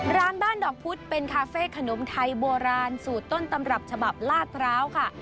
ร้านบ้านดอกพุธเป็นคาเฟ่ขนมไทยโบราณสูตรต้นตำรับฉบับลาดพร้าวค่ะ